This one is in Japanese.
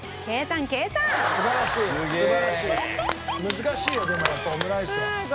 難しいよでもやっぱオムライスは。